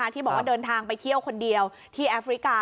ที่บอกว่าเดินทางไปเที่ยวคนเดียวที่แอฟริกา